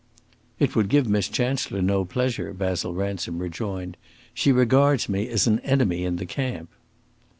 "It would give Miss Chancellor no pleasure," Basil Ransom rejoined. "She regards me as an enemy in the camp."